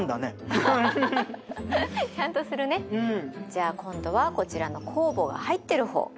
じゃあ今度はこちらの酵母が入ってる方。